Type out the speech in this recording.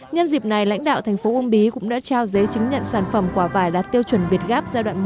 nhân dịp này lãnh đạo thành phố uông bí cũng đã trao giấy chứng nhận sản phẩm quả vải đạt tiêu chuẩn việt gáp giai đoạn một